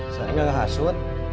saya gak menghasut